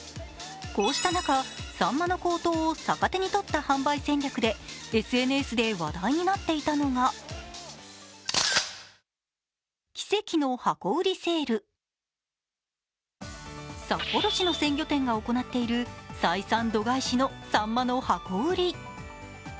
こうした中、さんまの高騰を逆手にとった販売戦略でＳＮＳで話題になっていたのが札幌市の鮮魚店が行っている採算度外視のさんまの箱売り。